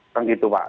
kan gitu pak